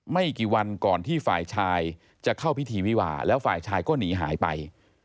ไม่กี่วันก่อนที่ฝ่ายชายจะเข้าพิธีวิวาแล้วฝ่ายชายก็หนีหายไป